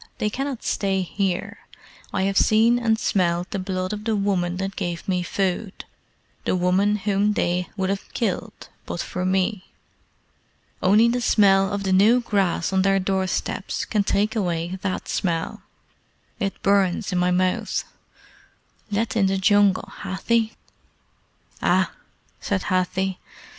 They cannot stay here. I have seen and smelled the blood of the woman that gave me food the woman whom they would have killed but for me. Only the smell of the new grass on their door steps can take away that smell. It burns in my mouth. Let in the Jungle, Hathi!" "Ah!" said Hathi.